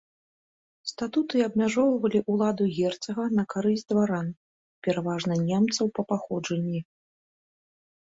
Статуты абмяжоўвалі ўладу герцага на карысць дваран, пераважна немцаў па паходжанні.